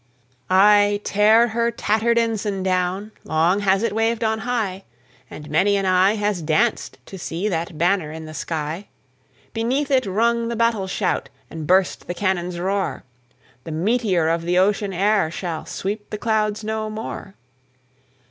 Ay, tear her tattered ensign down! Long has it waved on high, And many an eye has danced to see That banner in the sky; Beneath it rung the battle shout, And burst the cannon's roar; The meteor of the ocean air Shall sweep the clouds no more.